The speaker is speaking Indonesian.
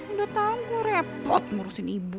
udah tau gue repot ngurusin ibu